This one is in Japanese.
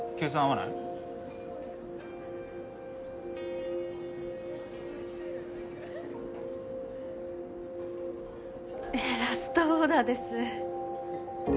・ラストオーダー。